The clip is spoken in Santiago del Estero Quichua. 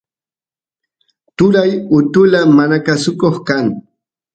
turay utula manakusuko kan